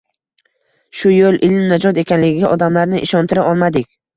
Shu yo‘l – ilm najot ekanligiga odamlarni ishontira olmadik.